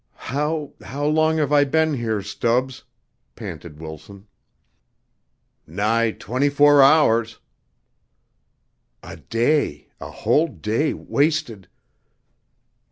"How how long have I been here, Stubbs?" panted Wilson. "Nigh twenty four hours." "A day a whole day wasted!"